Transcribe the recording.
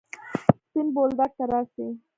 سپين بولدک ته راسئ!